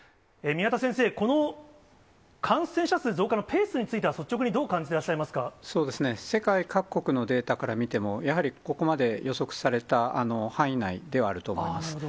宮田先生、この感染者数増加のペースについては、率直にどう感じそうですね、世界各国のデータから見ても、やはりここまで予測された範囲内ではあると思います。